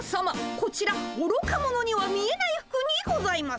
こちらおろか者には見えない服にございます。